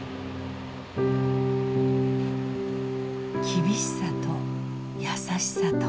厳しさと優しさと。